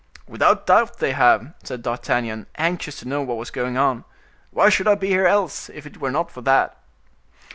"Without doubt they have," said D'Artagnan, anxious to know what was going on; "why should I be here else, if it were not for that?"